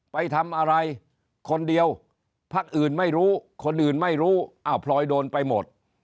ไปทำอะไรคนเดียวพักอื่นไม่รู้คนอื่นไม่รู้อ้าวพลอยโดนไปหมด